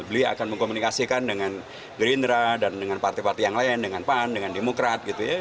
beliau akan mengkomunikasikan dengan gerindra dan dengan partai partai yang lain dengan pan dengan demokrat gitu ya